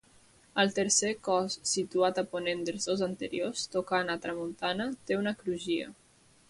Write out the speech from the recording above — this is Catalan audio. El tercer cos situat a ponent dels dos anteriors, tocant a tramuntana, té una crugia.